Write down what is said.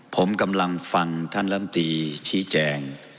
ผมกำลังฟังท่านรัฐมนตรีชี้แจง